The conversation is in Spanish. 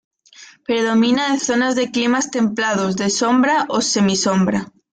Predomina en zonas de climas templados, de sombra o semi-sombra.